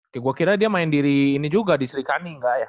oke gua kira dia main diri ini juga di srikaning gak ya